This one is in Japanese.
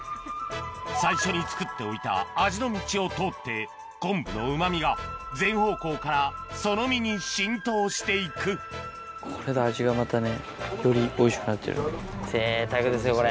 最初に作っておいた味の道を通って昆布のうまみが全方向からその身に浸透していくぜいたくですよこれ。